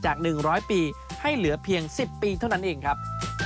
๑๐๐ปีให้เหลือเพียง๑๐ปีเท่านั้นเองครับ